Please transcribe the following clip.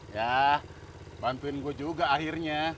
ya bantuin gue juga akhirnya